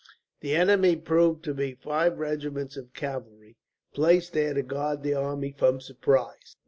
The enemy proved to be five regiments of cavalry, placed there to guard the army from surprise.